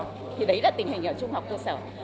tất nhiên là tình hình ở trung học cơ sở